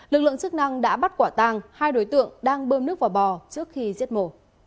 lực lượng chức năng đã bắt quả tàng hai đối tượng đang bơm nước vào bò trước khi giết mổ